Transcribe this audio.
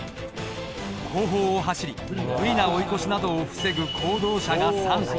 後方を走り無理な追い越しなどを防ぐ後導車が３台。